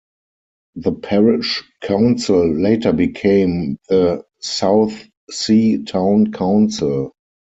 The Parish Council later became the Southsea Town Council.